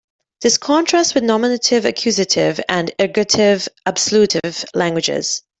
This contrasts with nominative-accusative and ergative-absolutive languages.